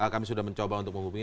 kami sudah mencoba untuk menghubungi